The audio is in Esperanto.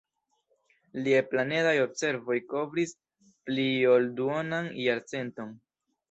Liaj planedaj observoj kovris pli ol duonan jarcenton.